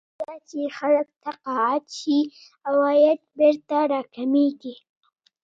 خو کله چې خلک تقاعد شي عواید بېرته راکمېږي